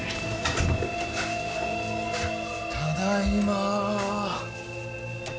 ただいま。